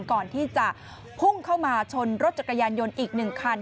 ก่อนที่จะพุ่งเข้ามาชนรถจักรยานยนต์อีก๑คัน